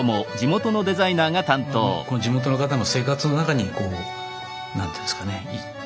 この地元の方の生活の中にこう何て言うんですかね